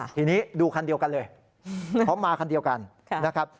ทีนี้ดูคันเดียวกันเลยเพราะมาคันเดียวกันนะครับ